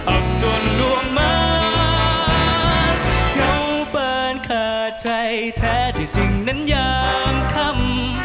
จนล่วงมาเงาปานขาดใจแท้ที่จริงนั้นยามค่ำ